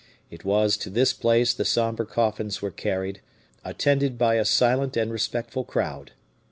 It was to this place the somber coffins were carried, attended by a silent and respectful crowd.